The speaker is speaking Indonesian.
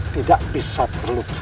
tidak bisa terluka